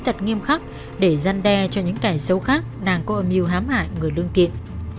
thật nghiêm khắc để giăn đe cho những kẻ xấu khác đang có âm mưu hám hại người lương tiện